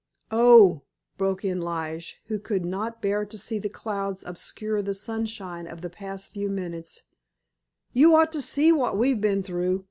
"Oh," broke in Lige, who could not bear to see the clouds obscure the sunshine of the past few minutes, "you ought to see what we've been through!